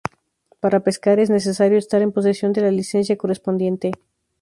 Para pescar, es necesario estar en posesión de la licencia correspondiente.